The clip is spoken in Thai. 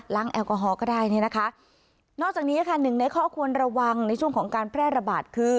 แอลกอฮอลก็ได้เนี่ยนะคะนอกจากนี้ค่ะหนึ่งในข้อควรระวังในช่วงของการแพร่ระบาดคือ